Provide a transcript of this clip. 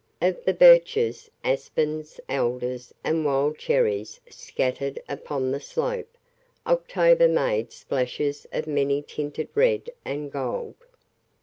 Of the birches, aspens, alders and wild cherries scattered upon the slope, October made splashes of many tinted red and gold.